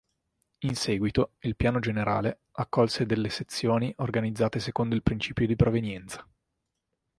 In seguito, il piano generale accolse delle sezioni organizzate secondo il principio di provenienza.